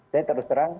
saya terus terang